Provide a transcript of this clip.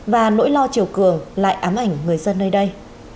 và nỗi lo chiều cường lại ám ảnh người dân nơi đây